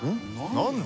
何だ？